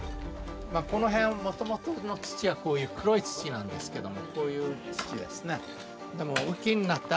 この辺もともとの土はこういう黒い土なんですけどもこういう土ですね。